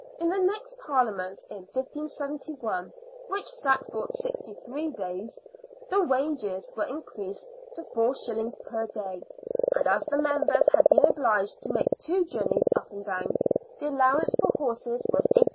In the next Parliament, in 1571 — which sat for sixty three days — the " wages " were increased to 4s. per day, and as the Members had been obliged to make two journeys up and down, the allowance for horses was £18 12s.